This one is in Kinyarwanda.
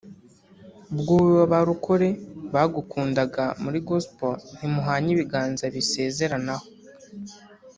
ubwo wowe abarokore bagukundaga muri Gospel ntimuhanye ibiganza bisezeranaho